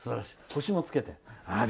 星もつけて。